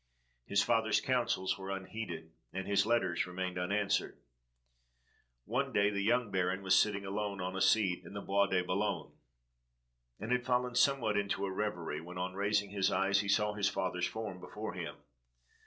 His father's counsels were unheeded, and his letters remained unanswered. One day the young baron was sitting alone on a seat, in the Bois de Boulogne, and had fallen somewhat into a revery, when, on raising his eyes, he saw his father's form before him.